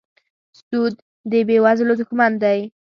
سود د بېوزلو دښمن دی.